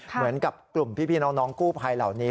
เหมือนกับกลุ่มพี่น้องกู้ภัยเหล่านี้